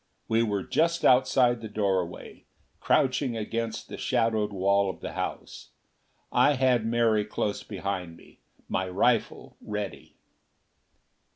We were just outside the doorway, crouching against the shadowed wall of the house. I had Mary close behind me, my rifle ready.